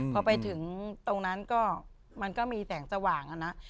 พอไปถึงตรงนั้นก็มันก็มีแสงสว่างอะนะ